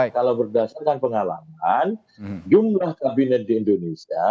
kalau berdasarkan pengalaman jumlah kabinet di indonesia